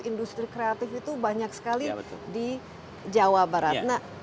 industri kreatif itu banyak sekali di jawa barat